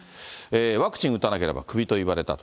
ワクチンを打たなければクビと言われたと。